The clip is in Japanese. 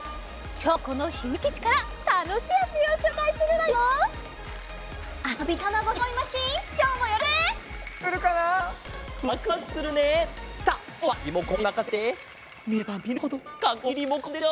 きょうもこのひみつきちからたのしいあそびをしょうかいするわよ！